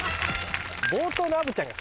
冒頭の虻ちゃんが。